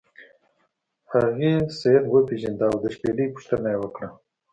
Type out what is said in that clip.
هغې سید وپیژنده او د شپیلۍ پوښتنه یې وکړه.